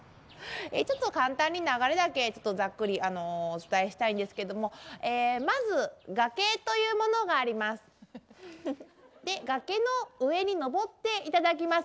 ちょっと簡単に流れだけざっくりお伝えしたいんですけどもまず崖というものがあります。